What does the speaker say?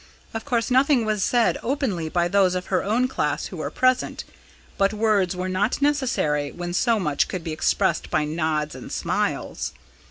Of course nothing was said openly by those of her own class who were present; but words were not necessary when so much could be expressed by nods and smiles.